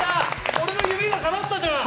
俺の夢がかなったじゃん！